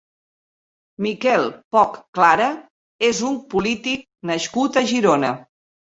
Miquel Poch Clara és un polític nascut a Girona.